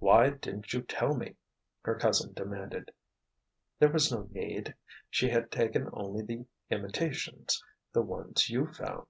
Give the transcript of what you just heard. "Why didn't you tell me?" her cousin demanded. "There was no need. She had taken only the imitations—the ones you found."